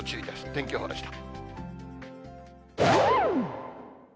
天気予報でした。